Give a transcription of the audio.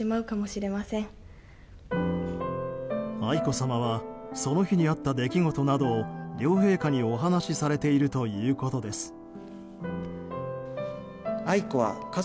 愛子さまはその日にあった出来事などを両陛下にお話しされているということです。